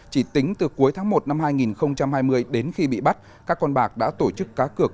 chỉ tính từ cuối tháng một năm hai nghìn hai mươi đến khi bị bắt các con bạc đã tổ chức cá cược